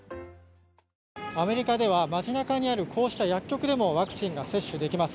アメリカでは街中にあるこうした薬局でもワクチンが接種できます。